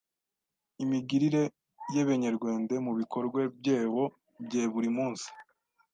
imigirire y’Ebenyerwende, mu bikorwe byebo bye buri munsi.